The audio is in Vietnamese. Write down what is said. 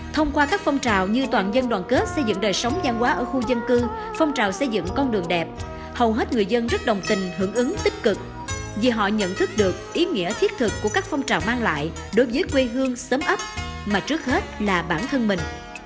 thông qua các phong trào như toàn dân đoàn kết xây dựng đời sống gian hóa ở khu dân cư phong trào xây dựng con đường đẹp hầu hết người dân rất đồng tình hưởng ứng tích cực vì họ nhận thức được ý nghĩa thiết thực của các phong trào mang lại đối với quê hương sớm ấp mà trước hết là bản thân mình